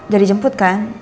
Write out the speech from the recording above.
jadi jemput kan